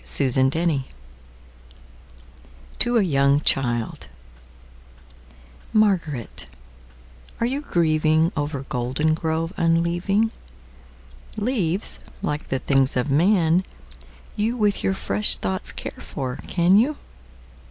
Spring and Fall to a young childMÁRGARÉT, áre you gríevingOver Goldengrove unleaving? Leáves, líke the things of man, youWith your fresh thoughts care for, can you?